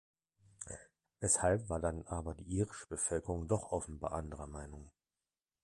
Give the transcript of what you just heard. Weshalb war dann aber die irische Bevölkerung doch offenbar anderer Meinung?